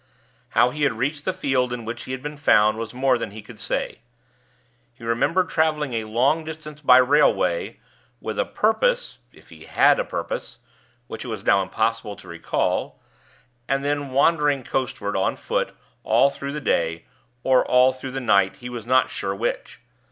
How he had reached the field in which he had been found was more than he could say. He remembered traveling a long distance by railway, with a purpose (if he had a purpose) which it was now impossible to recall, and then wandering coastward, on foot, all through the day, or all through the night he was not sure which.